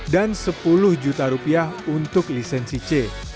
dan sepuluh juta rupiah untuk lisensi c